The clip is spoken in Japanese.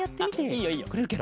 いいよいいよ。